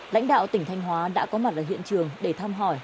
lãnh đạo tỉnh thanh hóa đã có mặt ở hiện trường để thăm hỏi